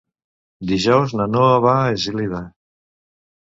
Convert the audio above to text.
Dijous na Noa va a Eslida.